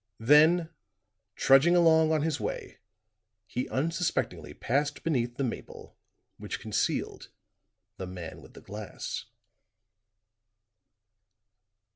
Then trudging along on his way, he unsuspectingly passed beneath the maple which concealed the man with the glass.